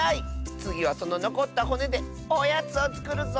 つぎはそののこったほねでおやつをつくるぞ！